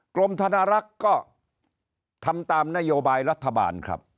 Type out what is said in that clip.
กรมธนรักษ์ก็ทำตามนโยบายรัฐบาลครับ